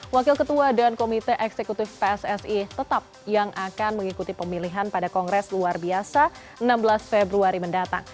wakil ketua dan komite eksekutif pssi tetap yang akan mengikuti pemilihan pada kongres luar biasa enam belas februari mendatang